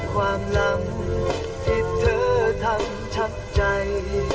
ความลำที่เธอทำชักใจ